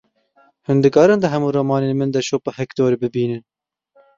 Hûn dikarin di hemû romanên min de şopa Hektor bibînin.